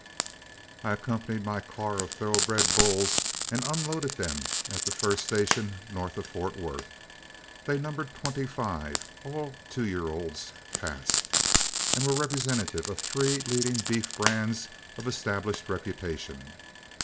I accompanied my car of thoroughbred bulls and unloaded them at the first station north of Fort Worth. They numbered twenty five, all two year olds past, and were representative of three leading beef brands of established reputation.